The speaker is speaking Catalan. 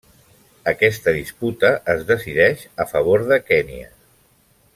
Aquesta disputa es decideix a favor de Kenya.